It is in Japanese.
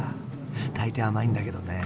大体甘いんだけどねえ。